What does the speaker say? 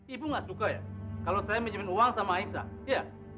ibu gak suka ya kalau saya minjemin uang sama aisyah